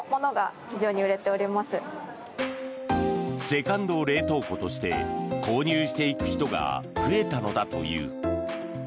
セカンド冷凍庫として購入していく人が増えたのだという。